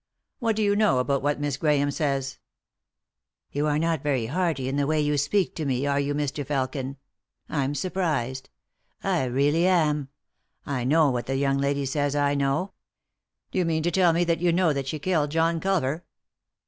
What do you know about what Miss Grahame says ?"" You are not very hearty in the way you speak to me, are you, Mr. Felkin ? I'm surprised ; I really am. I know what the young lady says I know." " Do you mean to tell me that you know that she killed John Culver